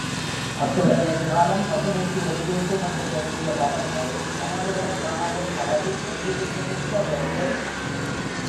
அத்துடன் எதிர்காலம் பசுமைக்கு ஒளியூட்டும் என்று தோன்றிய பாவனைகளில் கனவுகளைக் காணவும் பழகிக் கொண்டிருந்திருக்கவேண்டும்.